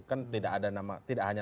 kan tidak ada nama